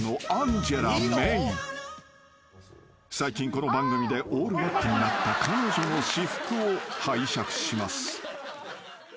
［最近この番組でオールバックになった彼女の私服を拝借します］